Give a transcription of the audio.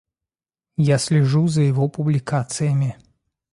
Я слежу за его публикациями.